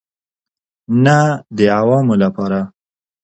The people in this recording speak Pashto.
نه د عوامو لپاره.